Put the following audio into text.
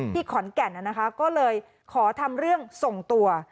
พี่ขอนแก่นน่ะนะคะก็เลยขอทำเรื่องส่งตัว